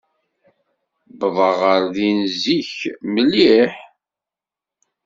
Wwḍeɣ ɣer din zik mliḥ.